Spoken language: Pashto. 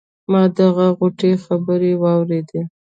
ما د غوټۍ خبرې واورېدې.